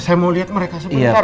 saya mau lihat mereka sebentar